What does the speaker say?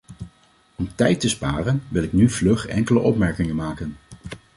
Om tijd te sparen, wil ik nu vlug enkele opmerkingen maken.